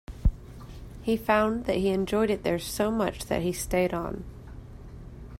He found that he enjoyed it there so much that he stayed on.